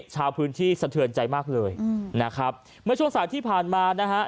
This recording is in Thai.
ชาวพื้นที่สะเทือนใจมากเลยนะครับเมื่อช่วงสายที่ผ่านมานะฮะ